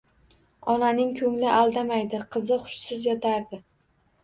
Onaning ko`ngli aldamaydi qizi hushsiz yotardi